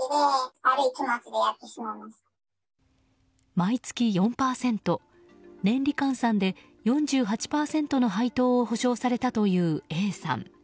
毎月４％、年利換算で４８％の配当を保証されたというＡさん。